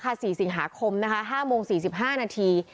ขึ้นตั้งแต่วันศุกร์ราคา๔สิงหาคม๕โมง๔๕นาที